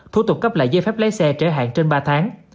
thủ tục cấp lại giấy phép lái xe trở hạn trên ba tháng